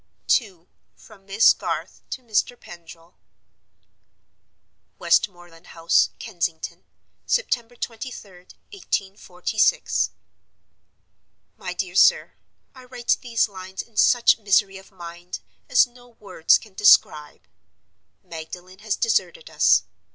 II. From Miss Garth to Mr. Pendril. "Westmoreland House, Kensington, "September 23d, 1846. "MY DEAR SIR,— "I write these lines in such misery of mind as no words can describe. Magdalen has deserted us.